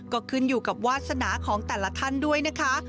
ก็ขึ้นอยู่กับวาสนาของแต่ละท่านด้วยนะคะ